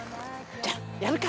じゃあやるか？